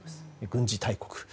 軍事大国。